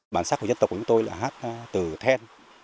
bản sắc của dân tộc của chúng tôi là hát từ then